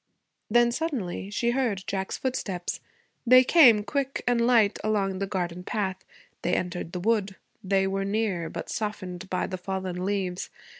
Then, suddenly, she heard Jack's footsteps. They came, quick and light, along the garden path; they entered the wood; they were near, but softened by the fallen leaves.